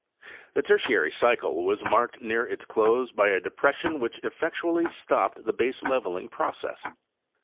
The Tertiary cycle was marked near its close by a depression which effectually stopped the baseleveling process.